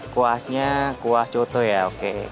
kuahnya kuah choto ya oke